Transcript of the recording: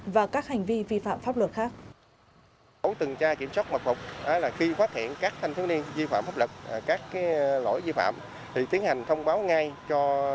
và các hành vi vi phạm pháp luật khác